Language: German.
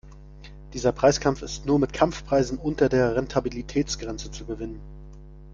Dieser Preiskampf ist nur mit Kampfpreisen unter der Rentabilitätsgrenze zu gewinnen.